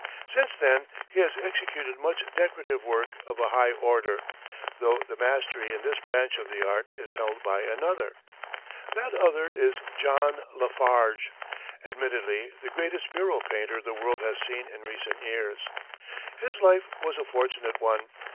Since then he has executed much decorative work of a high order, though the mastery in this branch of the art is held by another. That other is John LaFarge, admittedly the greatest mural painter the world has seen in recent years. His life was a fortunate one.